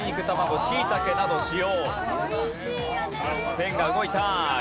ペンが動いた。